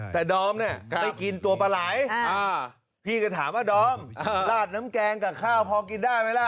แต่ดอมเนี่ยไม่กินตัวปลาไหลพี่ก็ถามว่าดอมลาดน้ำแกงกับข้าวพอกินได้ไหมล่ะ